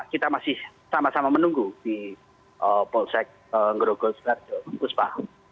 kita masih sama sama menunggu di polsek ngerogol puspa